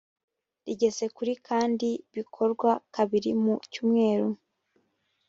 rigeze kuri kandi bikorwa kabiri mu cyumweru